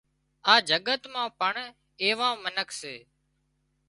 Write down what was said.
آ جڳت مان پڻ ايوان منک سي